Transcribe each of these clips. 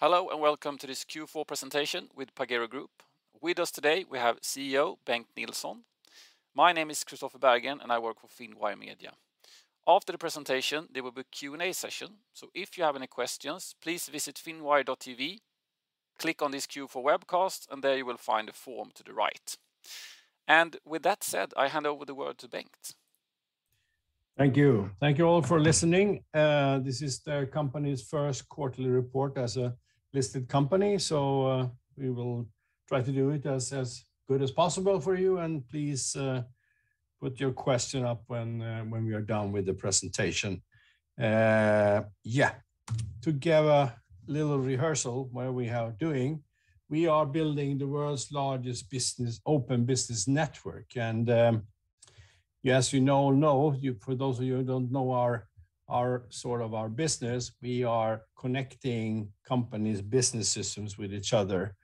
Hello, and welcome to this Q4 presentation with Pagero Group. With us today we have CEO Bengt Nilsson. My name is Kristofer Berggren, and I work for Finwire Media. After the presentation, there will be a Q&A session, so if you have any questions, please visit finwire.tv, click on this Q4 webcast, and there you will find a form to the right. With that said, I hand over the word to Bengt. Thank you. Thank you all for listening. This is the company's first quarterly report as a listed company, so we will try to do it as good as possible for you, and please put your question up when we are done with the presentation. Yeah. To give a little rehearsal what we are doing, we are building the world's largest business, open business network. Yes, you know. For those of you who don't know our sort of business, we are connecting companies' business systems with each other.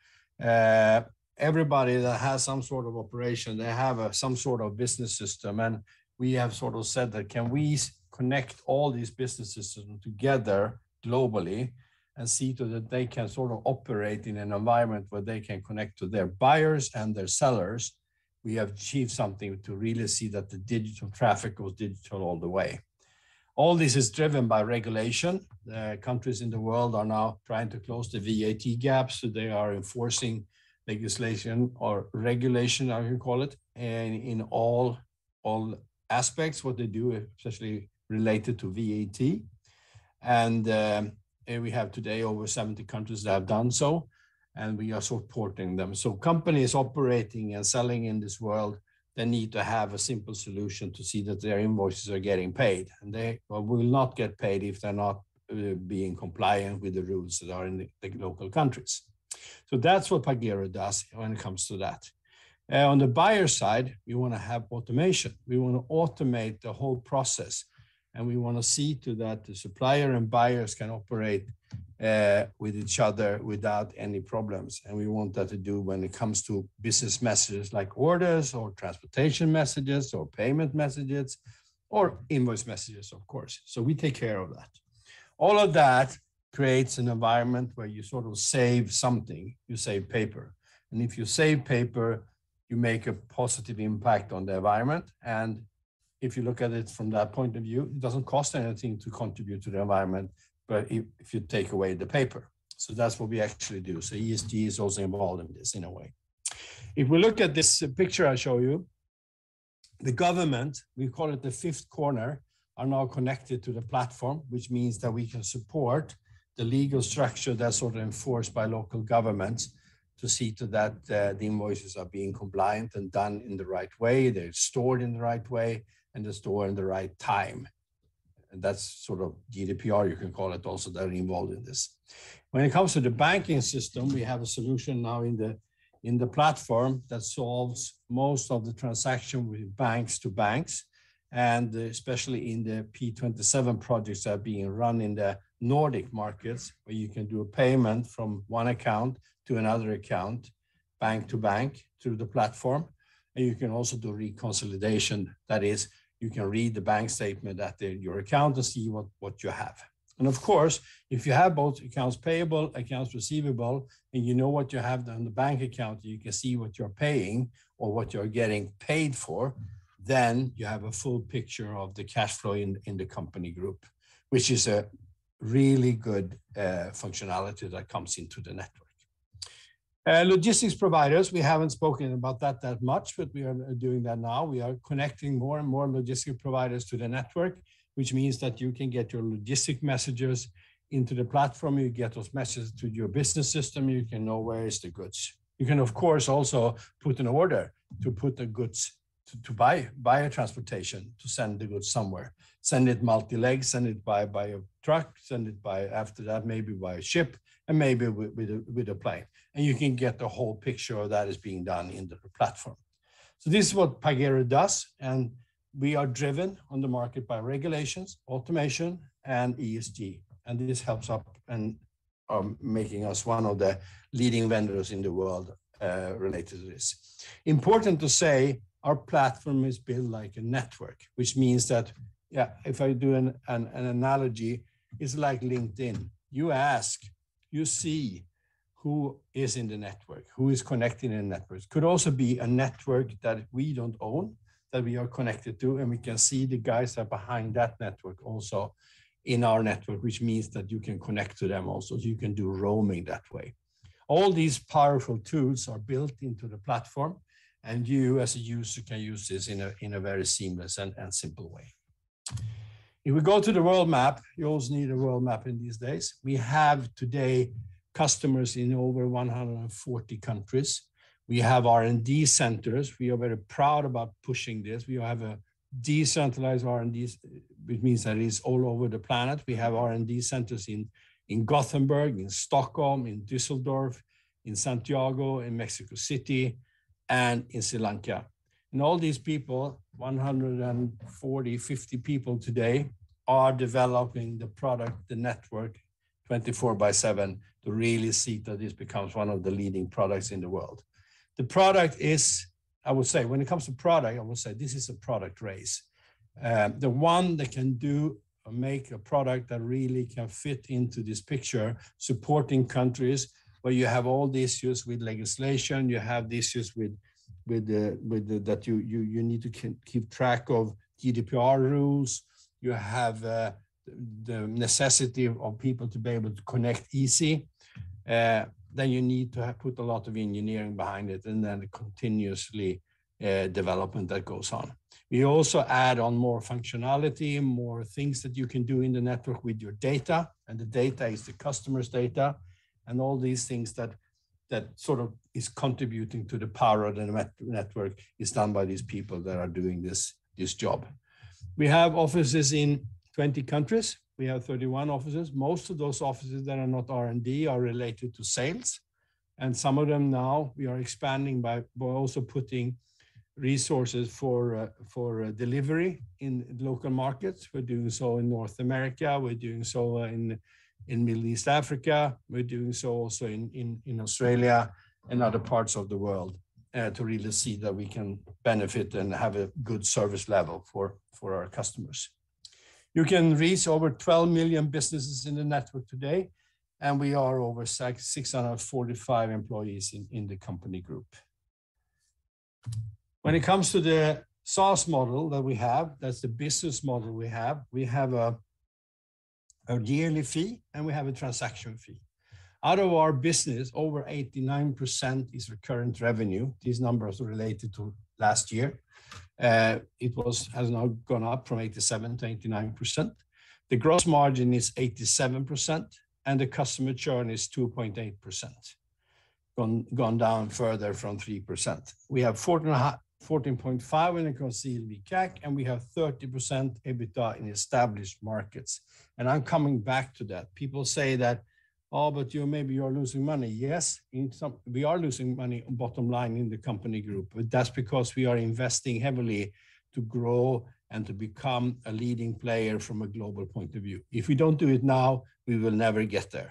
Everybody that has some sort of operation, they have some sort of business system, and we have sort of said that can we connect all these business systems together globally and see to that they can sort of operate in an environment where they can connect to their buyers and their sellers. We have achieved something to really see that the digital traffic goes digital all the way. All this is driven by regulation. The countries in the world are now trying to close the VAT gap, so they are enforcing legislation or regulation, however you call it, in all aspects what they do, especially related to VAT. We have today over 70 countries that have done so, and we are supporting them. Companies operating and selling in this world, they need to have a simple solution to see that their invoices are getting paid. They, well, will not get paid if they're not being compliant with the rules that are in the local countries. That's what Pagero does when it comes to that. On the buyer side, we wanna have automation. We wanna automate the whole process, and we wanna see to it that the supplier and buyers can operate with each other without any problems, and we want to do that when it comes to business messages like orders or transportation messages or payment messages or invoice messages, of course. We take care of that. All of that creates an environment where you sort of save something, you save paper. If you save paper, you make a positive impact on the environment. If you look at it from that point of view, it doesn't cost anything to contribute to the environment, but if you take away the paper. That's what we actually do. ESG is also involved in this in a way. If we look at this picture I show you, the government, we call it the fifth corner, are now connected to the platform, which means that we can support the legal structure that's sort of enforced by local governments to see to that, the invoices are being compliant and done in the right way, they're stored in the right way, and they're stored in the right time. That's sort of GDPR, you can call it, also that are involved in this. When it comes to the banking system, we have a solution now in the platform that solves most of the transactions with banks to banks, and especially in the P27 projects that are being run in the Nordic markets, where you can do a payment from one account to another account, bank to bank, through the platform. You can also do reconciliation. That is, you can read the bank statement at your account to see what you have. Of course, if you have both accounts payable, accounts receivable, and you know what you have there in the bank account, you can see what you're paying or what you're getting paid for, then you have a full picture of the cash flow in the company group, which is a really good functionality that comes into the network. Logistics providers, we haven't spoken about that much, but we are doing that now. We are connecting more and more logistics providers to the network, which means that you can get your logistics messages into the platform. You get those messages to your business system. You can know where is the goods. You can, of course, also put an order to buy a transportation to send the goods somewhere. Send it multi-leg, send it by a truck, send it by, after that, maybe by a ship, and maybe with a plane. You can get the whole picture of that is being done in the platform. This is what Pagero does, and we are driven on the market by regulations, automation, and ESG. This helps us in making us one of the leading vendors in the world related to this. Important to say, our platform is built like a network, which means that if I do an analogy, it's like LinkedIn. You ask, you see who is in the network, who is connected in the network. Could also be a network that we don't own, that we are connected to, and we can see the guys that are behind that network also in our network, which means that you can connect to them also. You can do roaming that way. All these powerful tools are built into the platform, and you as a user can use this in a very seamless and simple way. If we go to the world map, you always need a world map in these days. We have today customers in over 140 countries. We have R&D centers. We are very proud about pushing this. We have a decentralized R&D which means that it's all over the planet. We have R&D centers in Gothenburg, in Stockholm, in Düsseldorf, in Santiago, in Mexico City, and in Sri Lanka. All these people, 1,450 people today, are developing the product, the network 24/7 to really see that this becomes one of the leading products in the world. The product is. I would say when it comes to product, I would say this is a product race. The one that can do or make a product that really can fit into this picture, supporting countries where you have all the issues with legislation, you have the issues with the. that you need to keep track of GDPR rules. You have the necessity of people to be able to connect easy. Then you need to have put a lot of engineering behind it and then continuous development that goes on. We also add on more functionality, more things that you can do in the network with your data, and the data is the customer's data, and all these things that sort of is contributing to the power of the network is done by these people that are doing this job. We have offices in 20 countries. We have 31 offices. Most of those offices that are not R&D are related to sales. Some of them now we are expanding by also putting resources for delivery in local markets. We're doing so in North America. We're doing so in Middle East Africa. We're doing so also in Australia and other parts of the world, to really see that we can benefit and have a good service level for our customers. You can reach over 12 million businesses in the network today, and we are over 645 employees in the company group. When it comes to the SaaS model that we have, that's the business model we have, we have a yearly fee, and we have a transaction fee. Out of our business, over 89% is recurrent revenue. These numbers are related to last year. It has now gone up from 87% to 89%. The gross margin is 87%, and the customer churn is 2.8%. Gone down further from 3%. We have 14.5 months CAC payback, and we have 30% EBITDA in established markets. I'm coming back to that. People say that, "Oh, but you're maybe losing money." Yes, in some we are losing money bottom line in the company group, but that's because we are investing heavily to grow and to become a leading player from a global point of view. If we don't do it now, we will never get there.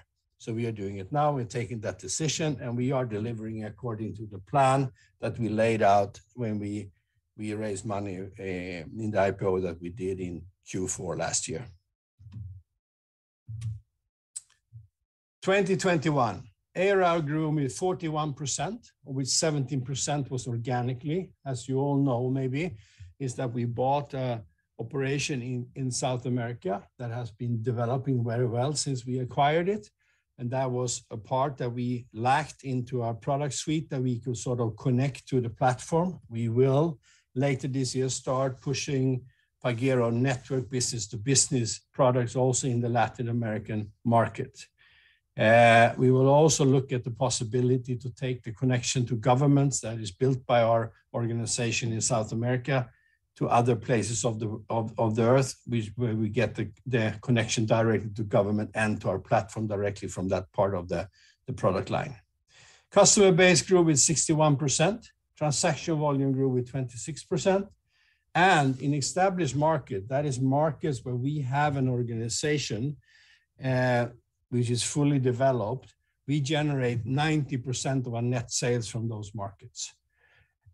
We are doing it now. We're taking that decision, and we are delivering according to the plan that we laid out when we raised money in the IPO that we did in Q4 2021. ARR grew 41%, 17% organically. As you all know, maybe, is that we bought a operation in South America that has been developing very well since we acquired it, and that was a part that we lacked into our product suite that we could sort of connect to the platform. We will later this year start pushing Pagero Network business-to-business products also in the Latin American market. We will also look at the possibility to take the connection to governments that is built by our organization in South America to other places of the earth, which where we get the connection directly to government and to our platform directly from that part of the product line. Customer base grew with 61%. Transaction volume grew with 26%. In established market, that is markets where we have an organization, which is fully developed, we generate 90% of our net sales from those markets.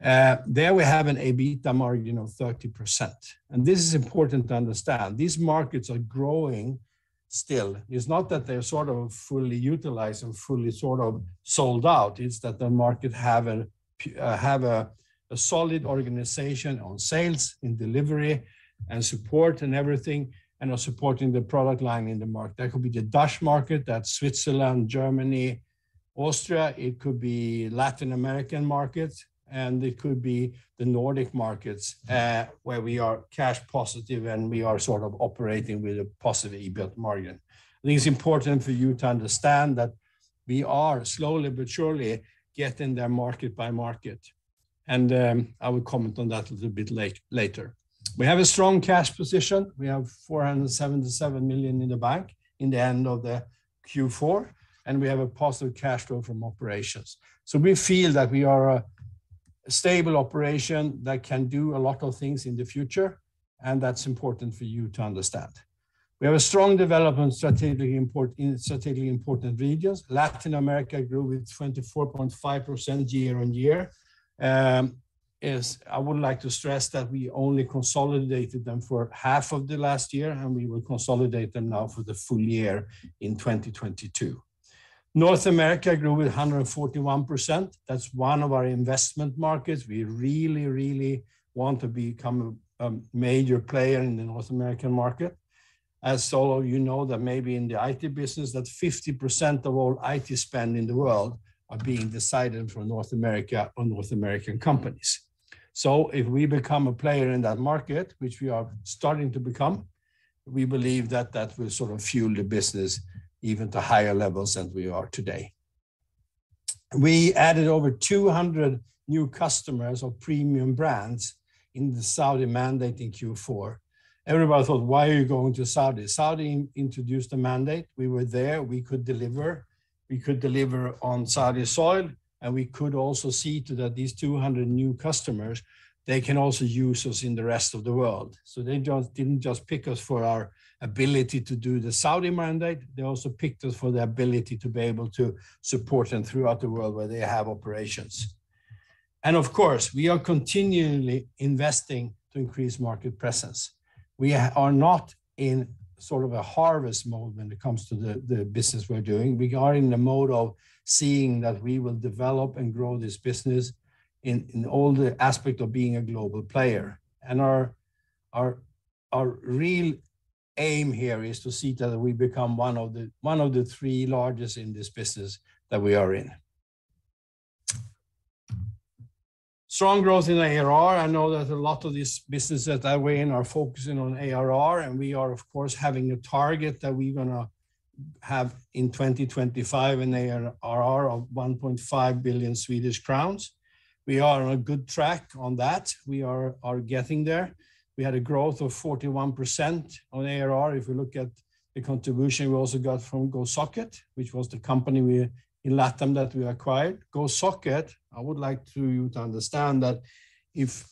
There we have an EBITDA margin of 30%. This is important to understand. These markets are growing still. It's not that they're sort of fully utilized and fully sort of sold out. It's that the market have a solid organization on sales, in delivery, and support and everything, and are supporting the product line in the market. That could be the Dutch market. That's Switzerland, Germany, Austria. It could be Latin American markets, and it could be the Nordic markets, where we are cash positive, and we are sort of operating with a positive EBITDA margin. I think it's important for you to understand that we are slowly but surely getting there market by market, and I will comment on that a little bit later. We have a strong cash position. We have 477 million in the bank at the end of the Q4, and we have a positive cash flow from operations. We feel that we are a stable operation that can do a lot of things in the future, and that's important for you to understand. We have a strong development in strategically important regions. Latin America grew with 24.5% year-on-year. I would like to stress that we only consolidated them for half of the last year, and we will consolidate them now for the full year in 2022. North America grew with 141%. That's one of our investment markets. We really want to become a major player in the North American market. As you know, maybe in the IT business, 50% of all IT spend in the world are being decided from North America or North American companies. If we become a player in that market, which we are starting to become, we believe that that will sort of fuel the business even to higher levels than we are today. We added over 200 new customers or premium brands in the Saudi mandate in Q4. Everybody thought, "Why are you going to Saudi?" Saudi introduced a mandate. We were there. We could deliver. We could deliver on Saudi soil, and we could also see to it that these 200 new customers, they can also use us in the rest of the world. They just didn't just pick us for our ability to do the Saudi mandate. They also picked us for the ability to be able to support them throughout the world where they have operations. Of course, we are continually investing to increase market presence. We are not in sort of a harvest mode when it comes to the business we're doing. We are in the mode of seeing that we will develop and grow this business in all the aspect of being a global player. Our real aim here is to see that we become one of the three largest in this business that we are in. Strong growth in ARR. I know that a lot of this business that we're in are focusing on ARR, and we are of course having a target that we're gonna have in 2025 an ARR of 1.5 billion Swedish crowns. We are on a good track on that. We are getting there. We had a growth of 41% on ARR. If we look at the contribution we also got from Gosocket, which was the company in LATAM that we acquired. Gosocket, I would like you to understand that if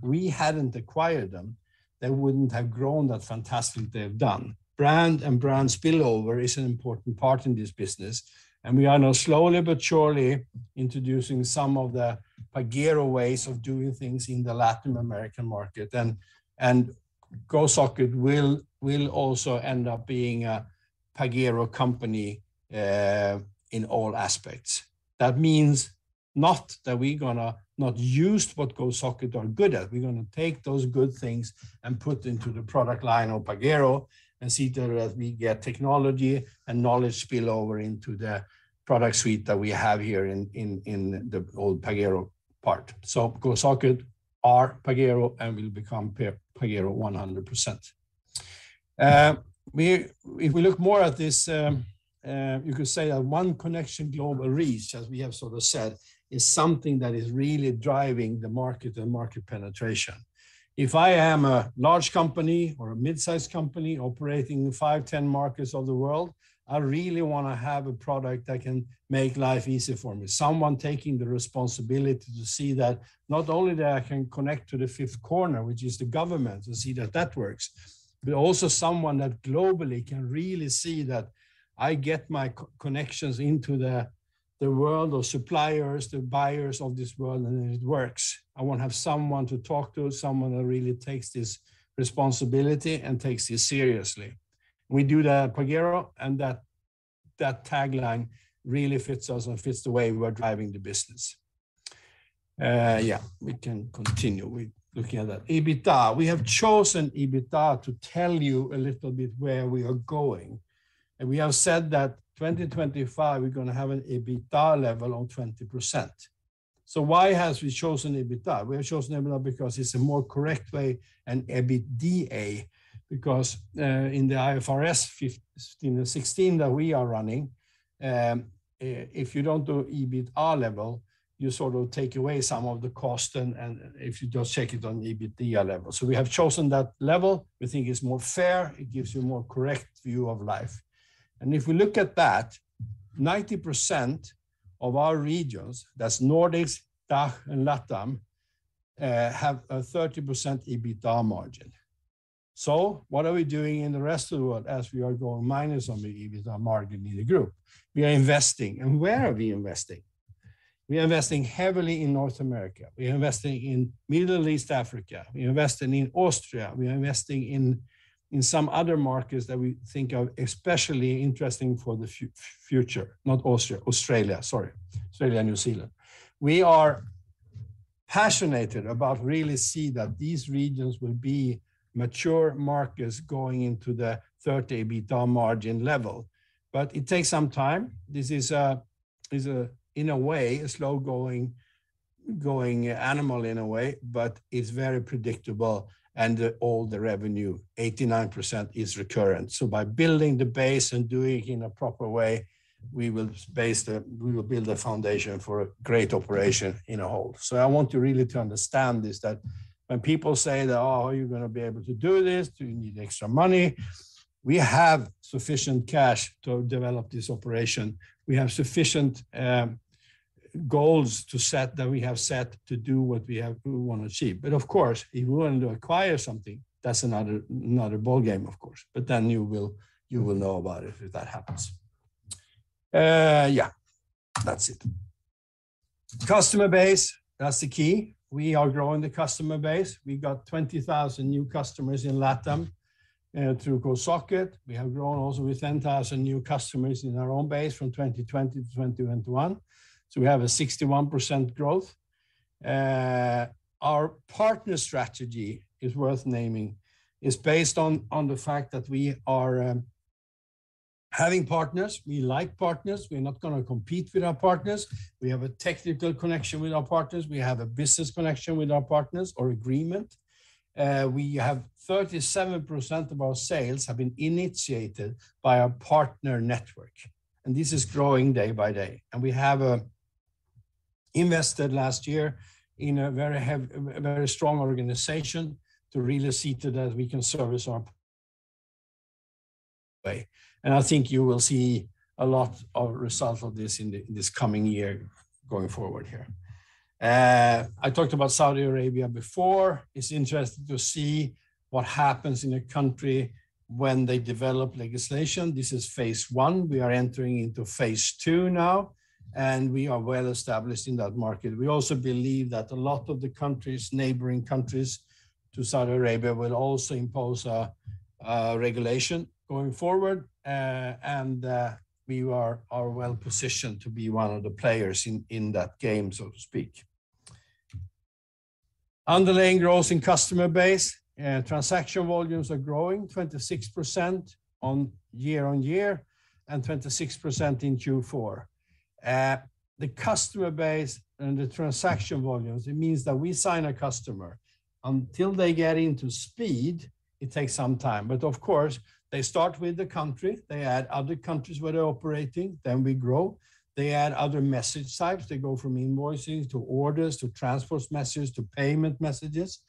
we hadn't acquired them, they wouldn't have grown that fantastic they have done. Brand spillover is an important part in this business, and we are now slowly but surely introducing some of the Pagero ways of doing things in the Latin American market. Gosocket will also end up being a Pagero company in all aspects. That means not that we're gonna not use what Gosocket are good at. We're gonna take those good things and put into the product line of Pagero and see that as we get technology and knowledge spillover into the product suite that we have here in the old Pagero part. Gosocket are Pagero and will become Pagero 100%. If we look more at this, you could say that One Connection Global Reach, as we have sort of said, is something that is really driving the market and market penetration. If I am a large company or a midsize company operating in five, 10 markets of the world, I really wanna have a product that can make life easy for me. Someone taking the responsibility to see that not only that I can connect to the fifth corner, which is the government, to see that that works. Also someone that globally can really see that I get my co-connections into the world of suppliers, the buyers of this world, and it works. I wanna have someone to talk to, someone that really takes this responsibility and takes this seriously. We do that at Pagero, and that tagline really fits us and fits the way we're driving the business. We can continue with looking at that. EBITA. We have chosen EBITA to tell you a little bit where we are going. We have said that 2025, we're gonna have an EBITA level of 20%. Why have we chosen EBITA? We have chosen EBITA because it's a more correct way than EBITDA, because in the IFRS 16 that we are running, if you don't do EBITA level, you sort of take away some of the cost and if you just check it on EBITDA level. We have chosen that level. We think it's more fair. It gives you a more correct view of profitability. If we look at that, 90% of our regions, that's Nordics, DACH, and LATAM, have a 30% EBITA margin. What are we doing in the rest of the world as we are going minus on the EBITA margin in the group? We are investing. Where are we investing? We are investing heavily in North America. We are investing in Middle East Africa. We are investing in Austria. We are investing in some other markets that we think are especially interesting for the future. Not Austria, Australia, sorry. Australia, New Zealand. We are passionate about really seeing that these regions will be mature markets going into the 30% EBITA margin level. It takes some time. This is, in a way, a slow-going animal in a way, but it's very predictable and all the revenue, 89% is recurring. By building the base and doing it in a proper way, we will build a foundation for a great operation in whole. I want you really to understand this, that when people say that, "Oh, are you gonna be able to do this? Do you need extra money?" We have sufficient cash to develop this operation. We have sufficient goals to set that we have set to do what we wanna achieve. Of course, if we want to acquire something, that's another ballgame, of course. Then you will know about it if that happens. Yeah, that's it. Customer base, that's the key. We are growing the customer base. We got 20,000 new customers in LATAM through Gosocket. We have grown also with 10,000 new customers in our own base from 2020 to 2021. We have a 61% growth. Our partner strategy is worth naming. It's based on the fact that we are having partners. We like partners. We're not gonna compete with our partners. We have a technical connection with our partners. We have a business connection with our partners or agreement. We have 37% of our sales have been initiated by our partner network. This is growing day by day. We have invested last year in a very strong organization to really see to that we can service our way. I think you will see a lot of results of this in this coming year going forward here. I talked about Saudi Arabia before. It's interesting to see what happens in a country when they develop legislation. This is phase one. We are entering into phase two now. We are well established in that market. We also believe that a lot of the countries, neighboring countries to Saudi Arabia, will also impose a regulation going forward. We are well positioned to be one of the players in that game, so to speak. Underlying growth in customer base. Transaction volumes are growing 26% year-on-year and 26% in Q4. The customer base and the transaction volumes, it means that we sign a customer. Until they get up to speed, it takes some time. Of course, they start with the country. They add other countries where they're operating, then we grow. They add other message types. They go from invoicing to orders, to transfer messages, to payment messages.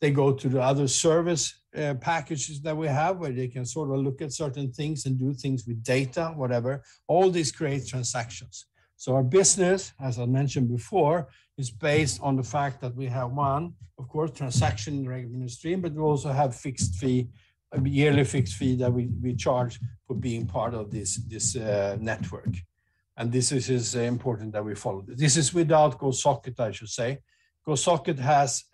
They go to the other service packages that we have, where they can sort of look at certain things and do things with data, whatever. All these create transactions. Our business, as I mentioned before, is based on the fact that we have, one, of course, transaction revenue stream, but we also have fixed fee, a yearly fixed fee that we charge for being part of this network. This is important that we follow. This is without Gosocket, I should say. Gosocket has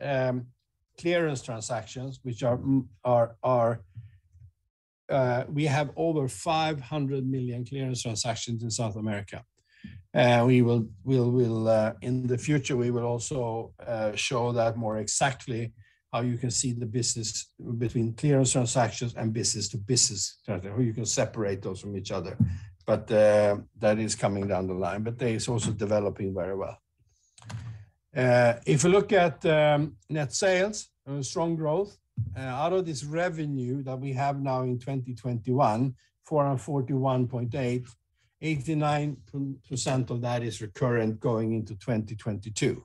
clearance transactions, which are. We have over 500 million clearance transactions in South America. We will in the future also show that more exactly how you can see the business between clearance transactions and business to business transaction, or you can separate those from each other. That is coming down the line, but that is also developing very well. If you look at net sales and strong growth, out of this revenue that we have now in 2021, 441.8, 89% of that is recurrent going into 2022.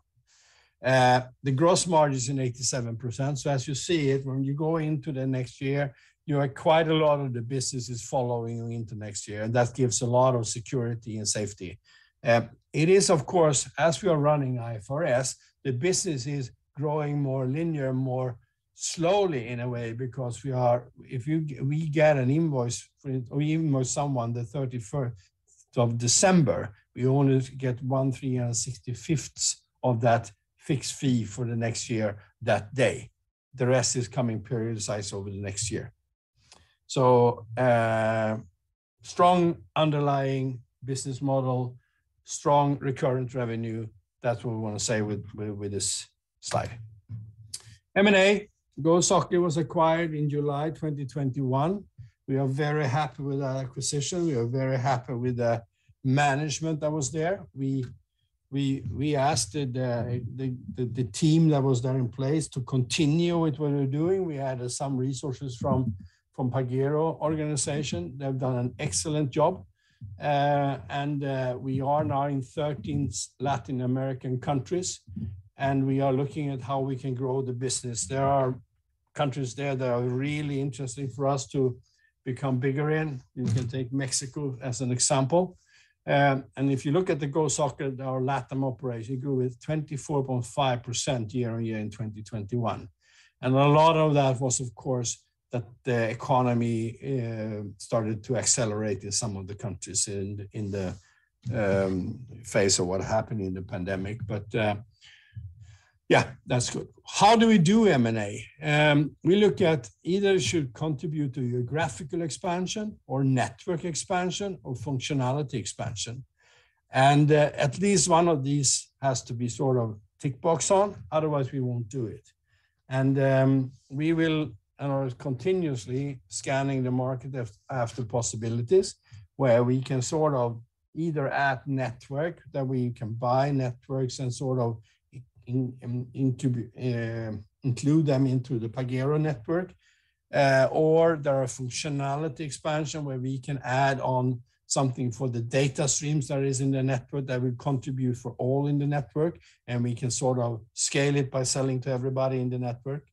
The gross margin is 87%. As you see it, when you go into the next year, you know quite a lot of the business is following you into next year, and that gives a lot of security and safety. It is of course, as we are running IFRS, the business is growing more linear, more slowly in a way, because we get an invoice for it or we invoice someone December 31, we only get 1/365th of that fixed fee for the next year that day. The rest is coming periodized over the next year. Strong underlying business model, strong recurrent revenue. That's what we wanna say with this slide. M&A, Gosocket was acquired in July 2021. We are very happy with that acquisition. We are very happy with the management that was there. We asked the team that was there in place to continue with what we're doing. We had some resources from Pagero organization. They've done an excellent job. We are now in 13 Latin American countries, and we are looking at how we can grow the business. There are countries there that are really interesting for us to become bigger in. You can take Mexico as an example. If you look at the Gosocket, our LATAM operation grew with 24.5% year-on-year in 2021. A lot of that was, of course, that the economy started to accelerate in some of the countries in the phase of what happened in the pandemic. Yeah, that's good. How do we do M&A? We look at either should contribute to geographical expansion or network expansion or functionality expansion. At least one of these has to be sort of tick box on, otherwise we won't do it. We will and are continuously scanning the market after possibilities where we can sort of either add network, that we can buy networks and sort of into include them into the Pagero network. There are functionality expansion where we can add on something for the data streams that is in the network that will contribute for all in the network, and we can sort of scale it by selling to everybody in the network.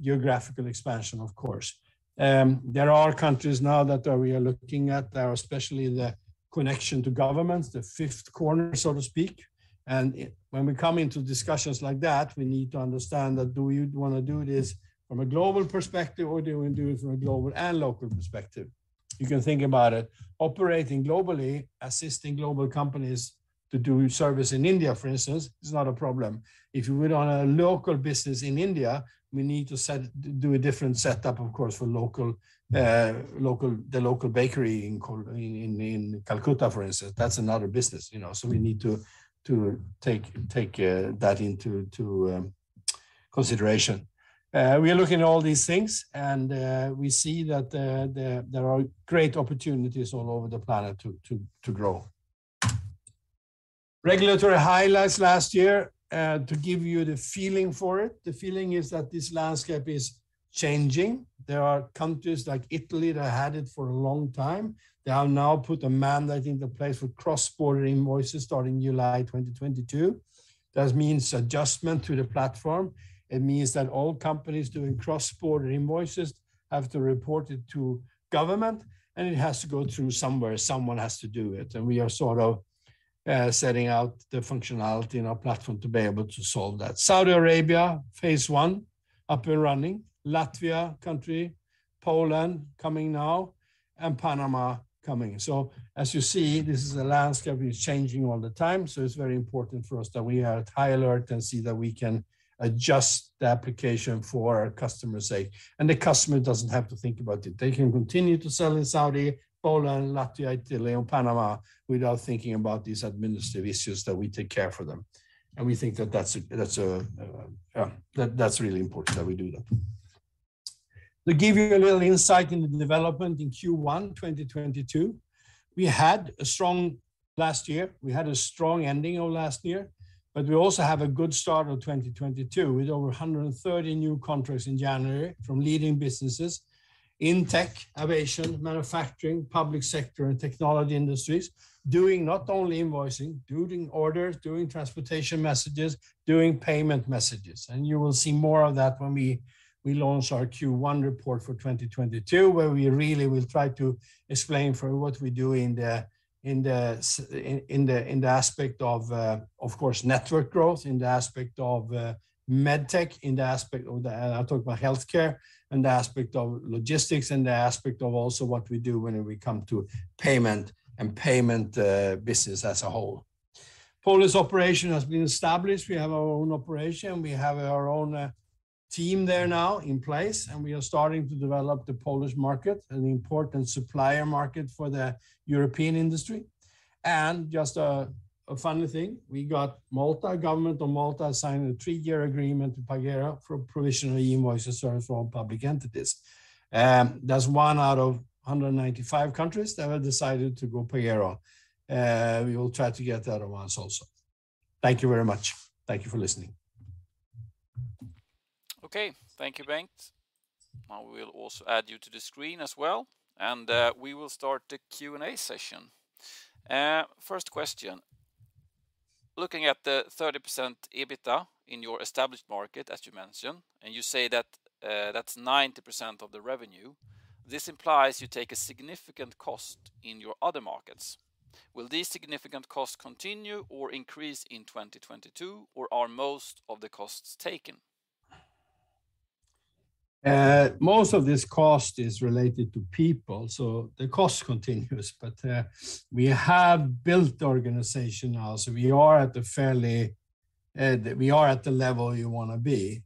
Geographical expansion, of course. There are countries now that we are looking at, especially the connection to governments, the fifth corner, so to speak. When we come into discussions like that, we need to understand that do we wanna do this from a global perspective, or do we do it from a global and local perspective? You can think about it. Operating globally, assisting global companies to do service in India, for instance, is not a problem. If you would own a local business in India, we need to do a different setup, of course, for the local bakery in Calcutta, for instance. That's another business, you know, so we need to take that into consideration. We are looking at all these things, and we see that there are great opportunities all over the planet to grow. Regulatory highlights last year, to give you the feeling for it, the feeling is that this landscape is changing. There are countries like Italy that had it for a long time. They have now put a mandate into place for cross-border invoices starting July 2022. That means adjustment to the platform. It means that all companies doing cross-border invoices have to report it to government, and it has to go through somewhere. Someone has to do it, and we are sort of setting out the functionality in our platform to be able to solve that. Saudi Arabia, phase one. Up and running. Latvia country, Poland coming now, and Panama coming. As you see, this is a landscape. It's changing all the time, so it's very important for us that we are at high alert and see that we can adjust the application for our customer's sake. The customer doesn't have to think about it. They can continue to sell in Saudi, Poland, Latvia, Italy, or Panama without thinking about these administrative issues that we take care for them. We think that that's really important that we do that. To give you a little insight into the development in Q1 2022, we had a strong last year. We had a strong ending of last year, but we also have a good start of 2022 with over 130 new contracts in January from leading businesses in tech, aviation, manufacturing, public sector, and technology industries doing not only invoicing, doing orders, doing transportation messages, doing payment messages. You will see more of that when we launch our Q1 report for 2022, where we really will try to explain what we do in the aspect of course, network growth, in the aspect of med tech, in the aspect of the I talk about healthcare, in the aspect of logistics, in the aspect of also what we do when we come to payment business as a whole. Polish operation has been established. We have our own operation. We have our own team there now in place, and we are starting to develop the Polish market, an important supplier market for the European industry. Just a funny thing, we got Government of Malta signed a three-year agreement to Pagero for provisional e-invoice service for all public entities. That's 1 out of 195 countries that have decided to go Pagero. We will try to get the other ones also. Thank you very much. Thank you for listening. Okay. Thank you, Bengt. I will also add you to the screen as well, and we will start the Q&A session. First question, looking at the 30% EBITDA in your established market, as you mentioned, and you say that that's 90% of the revenue, this implies you take a significant cost in your other markets. Will these significant costs continue or increase in 2022, or are most of the costs taken? Most of this cost is related to people, so the cost continues. We have built the organization now, so we are at the level you wanna be.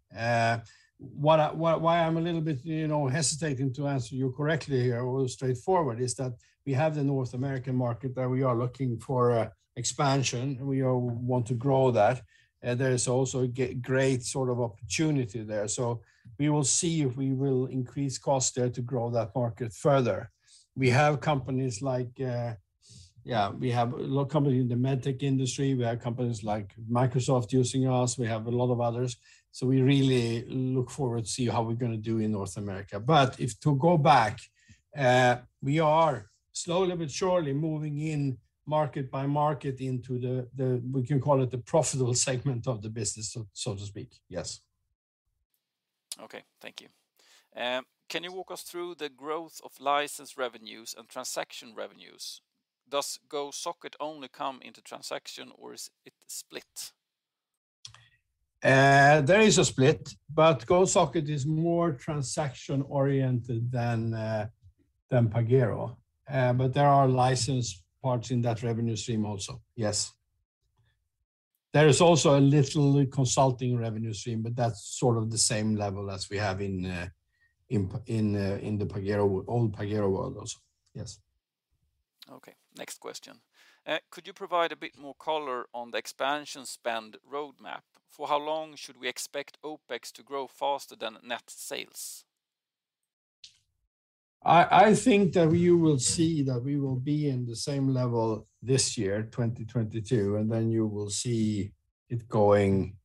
Why I'm a little bit, you know, hesitating to answer you correctly here or straightforward is that we have the North American market that we are looking for expansion, and we all want to grow that. There is also a great sort of opportunity there. We will see if we will increase cost there to grow that market further. We have companies like. We have a lot of companies in the med tech industry. We have companies like Microsoft using us. We have a lot of others. We really look forward to see how we're gonna do in North America. If to go back, we are slowly but surely moving in market by market into the we can call it the profitable segment of the business, so to speak. Yes. Okay. Thank you. Can you walk us through the growth of license revenues and transaction revenues? Does Gosocket only come into transaction, or is it split? There is a split, but Gosocket is more transaction-oriented than Pagero. There are license parts in that revenue stream also, yes. There is also a little consulting revenue stream, but that's sort of the same level as we have in the Pagero, old Pagero world also. Yes. Okay. Next question. Could you provide a bit more color on the expansion spend roadmap? For how long should we expect OpEx to grow faster than net sales? I think that you will see that we will be in the same level this year, 2022, and then you will see it going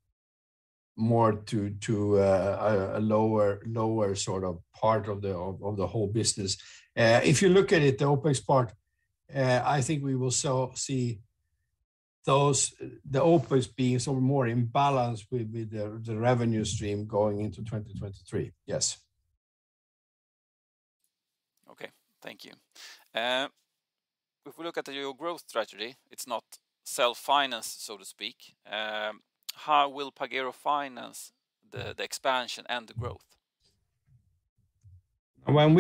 more to a lower sort of part of the whole business. If you look at it, the OpEx part, I think we will see the OpEx being sort of more in balance with the revenue stream going into 2023. Yes. Okay. Thank you. If we look at your growth strategy, it's not self-financed, so to speak. How will Pagero finance the expansion and the growth? When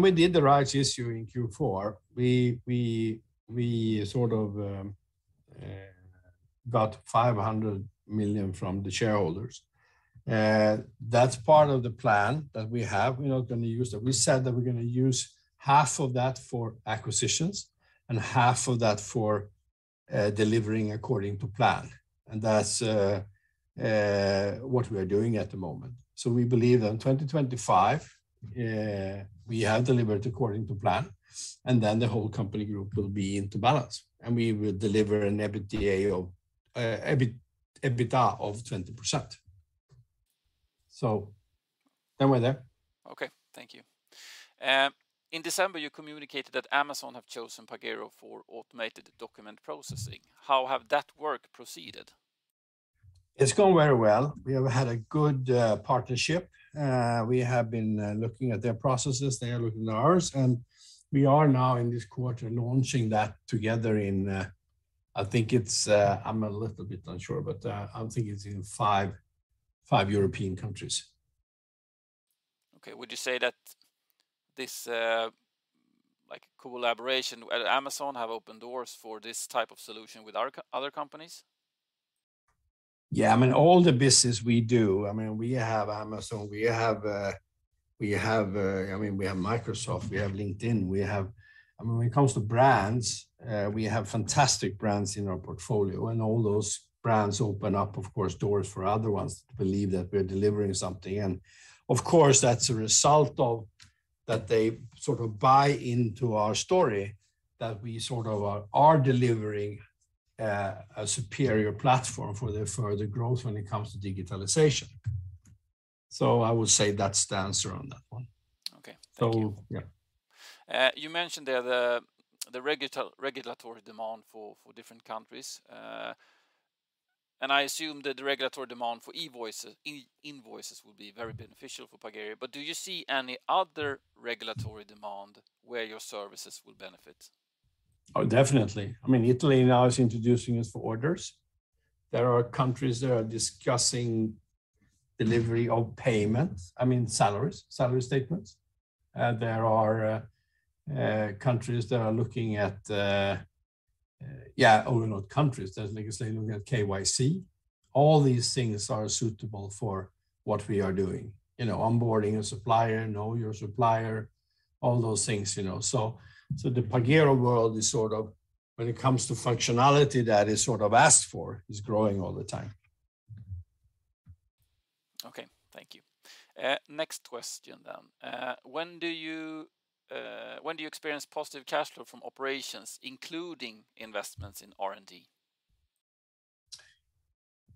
we did the rights issue in Q4, we sort of got 500 million from the shareholders. That's part of the plan that we have. We're not gonna use that. We said that we're gonna use half of that for acquisitions and half of that for delivering according to plan, and that's what we are doing at the moment. We believe in 2025, we have delivered according to plan, and then the whole company group will be into balance, and we will deliver an EBITDA of 20%. We're there. Okay. Thank you. In December, you communicated that Amazon have chosen Pagero for automated document processing. How have that work proceeded? It's going very well. We have had a good partnership. We have been looking at their processes. They are looking at ours, and we are now in this quarter launching that together in, I think it's, I'm a little bit unsure, but, I'm thinking it's in five European countries. Okay. Would you say that this, like collaboration with Amazon have opened doors for this type of solution with our other companies? Yeah, I mean, all the business we do, I mean, we have Amazon, we have Microsoft, we have LinkedIn, I mean, when it comes to brands, we have fantastic brands in our portfolio, and all those brands open up, of course, doors for other ones to believe that we're delivering something. And of course, that's a result of that they sort of buy into our story that we sort of are delivering a superior platform for the growth when it comes to digitalization. I would say that's the answer on that one. Okay. Thank you. Yeah. You mentioned there the regulatory demand for different countries. I assume that the regulatory demand for e-invoices will be very beneficial for Pagero. Do you see any other regulatory demand where your services will benefit? Oh, definitely. I mean, Italy now is introducing us for orders. There are countries that are discussing delivery of payments, I mean, salaries, salary statements. Yeah, or not countries, there's regulators looking at KYC. All these things are suitable for what we are doing. You know, onboarding a supplier, know your supplier, all those things, you know. The Pagero world is sort of, when it comes to functionality that is sort of asked for, is growing all the time. Okay. Thank you. Next question then. When do you experience positive cash flow from operations, including investments in R&D?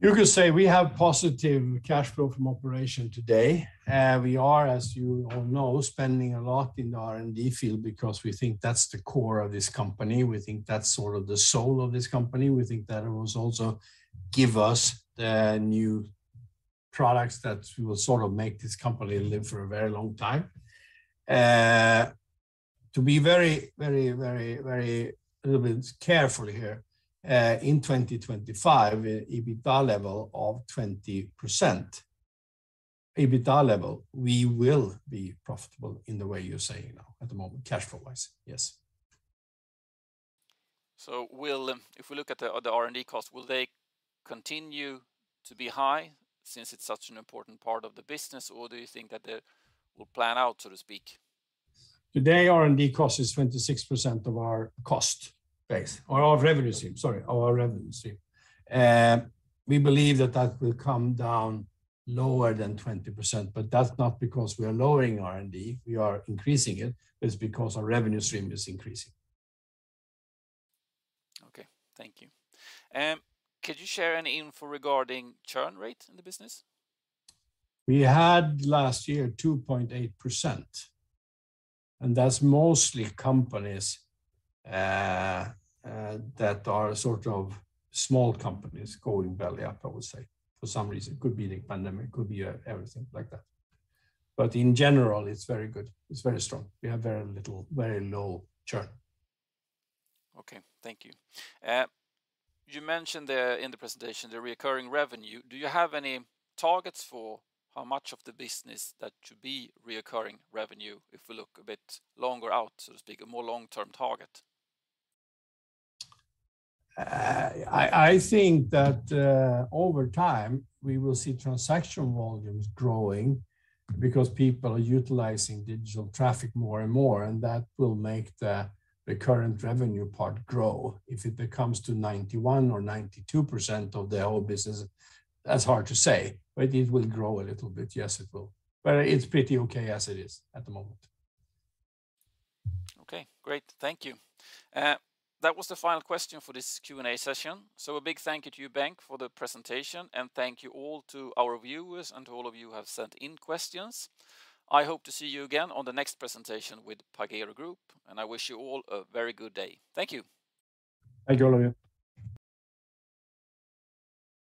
You could say we have positive cash flow from operation today. We are, as you all know, spending a lot in the R&D field because we think that's the core of this company. We think that's sort of the soul of this company. We think that it will also give us the new products that will sort of make this company live for a very long time. To be very a little bit careful here, in 2025, EBITDA level of 20%, EBITDA level, we will be profitable in the way you're saying now, at the moment, cash flow-wise. Yes. If we look at the R&D costs, will they continue to be high since it's such an important part of the business, or do you think that they will plan out, so to speak? Today, R&D cost is 26% of our cost base, or our revenue stream, sorry, our revenue stream. We believe that will come down lower than 20%, but that's not because we are lowering R&D, we are increasing it. It's because our revenue stream is increasing. Okay. Thank you. Could you share any info regarding churn rate in the business? We had last year 2.8%, and that's mostly companies that are sort of small companies going belly up, I would say, for some reason. Could be the pandemic, could be everything like that. In general, it's very good. It's very strong. We have very little, very low churn. Okay. Thank you. You mentioned the, in the presentation, the recurring revenue. Do you have any targets for how much of the business that should be recurring revenue if we look a bit longer out, so to speak, a more long-term target? I think that over time, we will see transaction volumes growing because people are utilizing digital traffic more and more, and that will make the recurring revenue part grow. If it gets to 91% or 92% of the whole business, that's hard to say. It will grow a little bit. Yes, it will. It's pretty okay as it is at the moment. Okay, great. Thank you. That was the final question for this Q&A session. A big thank you to you, Bengt, for the presentation, and thank you all to our viewers and to all of you who have sent in questions. I hope to see you again on the next presentation with Pagero Group, and I wish you all a very good day. Thank you. Thank you, Kristofer.